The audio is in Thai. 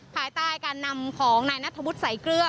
ภายใต้การนำของนายนัทธวุฒิสายเกลือ